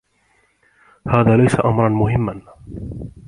هذا ليس أمرا مهمّا.